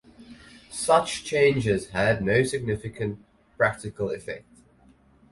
Such changes had no significant practical effect.